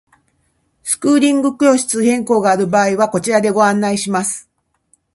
スクーリングの教室変更がある場合はこちらでご案内します。